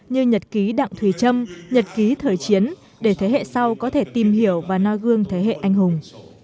như nhật ký đặng thùy trâm nhật ký thời chiến để thế hệ sau có thể tìm hiểu và no gương thế hệ anh hùng